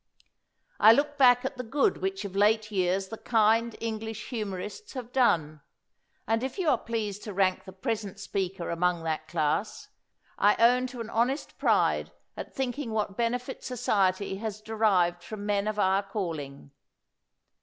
I look back at the good which of late years the kind English humorists have done; and if you are pleased to rank the present speaker among that class, I own to an honest pride at thinking what benefits society has derived from men of our calling.